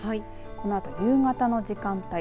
このあと夕方の時間帯